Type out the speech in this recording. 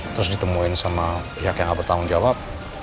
terus ditemuin sama pihak yang gak bertanggung jawab